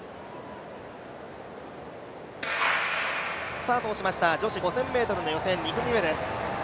スタートをしました、女子５０００ｍの予選２組目です。